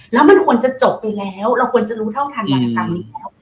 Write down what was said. แล้วมันควรจะจบไปแล้วเราควรจะรู้เท่าทันกรรมนี้แล้ว